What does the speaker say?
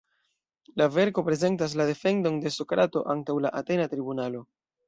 La verko prezentas la defendon de Sokrato antaŭ la atena tribunalo.